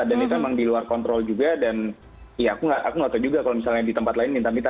dan itu emang diluar kontrol juga dan ya aku nggak tau juga kalau misalnya di tempat lain minta minta